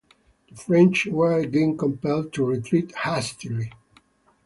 The French were again compelled to retreat hastily.